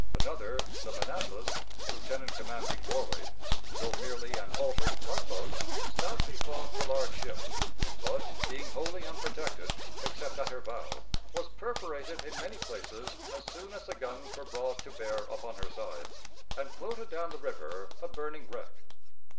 Another, the Manassas, lieutenant commanding Warley, though merely an altered "tug boat," stoutly fought the large ships; but, being wholly unprotected, except at her bow, was perforated in many places, as soon as the guns were brought to bear upon her sides, and floated down the river a burning wreck.